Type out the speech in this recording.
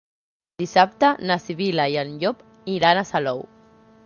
Dissabte na Sibil·la i en Llop iran a Salou.